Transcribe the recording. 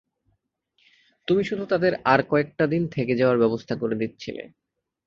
তুমি শুধু তাদের আর কয়েকটাদিন থেকে যাওয়ার ব্যবস্থা করে দিচ্ছিলে।